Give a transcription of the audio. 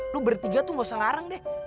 lo berdua tuh gak usah ngarang deh